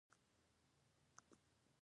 مچان د مړو شیانو بوی ته راځي